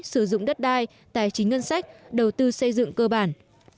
sử dụng đất đai tài chính ngân sách đầu tư xây dựng cơ bản